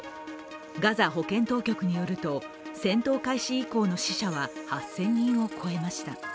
ガザ保健当局によると、戦闘開始以降の死者は８０００人を超えました。